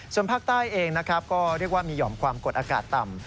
ส่วนภาคใต้เองนะครับก็เรียกว่ามีห่อมความกดอากาศต่ำ